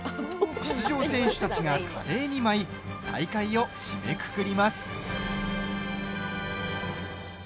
出場選手たちが華麗に舞い大会を締めくくります。